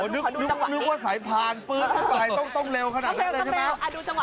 นึกว่าสายพานปื๊ดขึ้นไปต้องเร็วขนาดนั้นเลยใช่ไหม